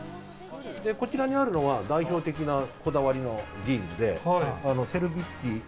こちらにあるのは代表的なこだわりのジーンズで。